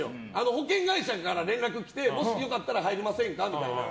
保険会社から連絡来てもしよかったら入りませんかって。